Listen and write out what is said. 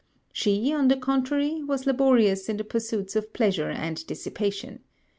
She, on the contrary, was laborious in the pursuits of pleasure and dissipation.